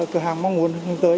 cửa hàng mong muốn hướng tới